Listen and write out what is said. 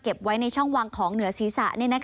ไว้ในช่องวางของเหนือศีรษะ